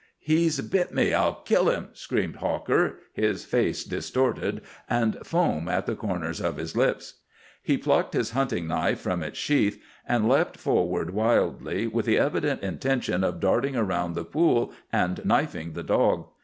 "He's bit me. I'll kill him," screamed Hawker, his face distorted and foam at the corners of his lips. He plucked his hunting knife from its sheath, and leapt forward wildly, with the evident intention of darting around the pool and knifing the dog.